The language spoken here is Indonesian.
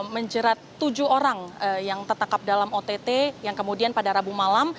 menjerat tujuh orang yang tertangkap dalam ott yang kemudian pada rabu malam